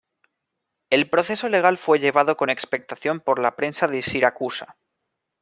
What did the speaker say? El proceso legal fue llevado con expectación por la prensa de Siracusa.